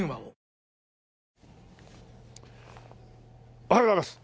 おはようございます！